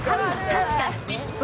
確かに。